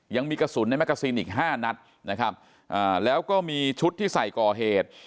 ยังมีกระสุนในแกซีนอีกห้านัดนะครับอ่าแล้วก็มีชุดที่ใส่ก่อเหตุ